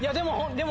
でも！